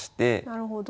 なるほど。